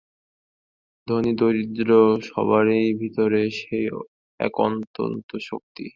ধনী-দরিদ্র সবারই ভিতরে সেই এক অনন্ত শক্তি।